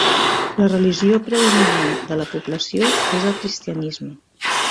La religió predominant de la població és el cristianisme.